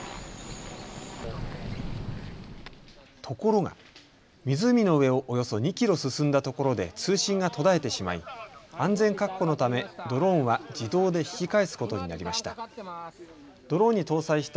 ところが、湖の上をおよそ２キロ進んだところで通信が途絶えてしまい、安全確保のためドローンは自動で引き返すことになりました。